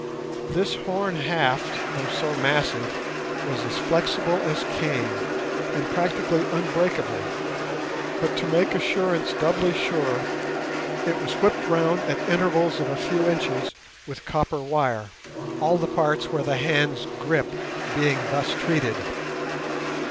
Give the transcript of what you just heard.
This horn haft, though so massive, was as flexible as cane, and practically unbreakable; but, to make assurance doubly sure, it was whipped round at intervals of a few inches with copper wire—all the parts where the hands grip being thus treated.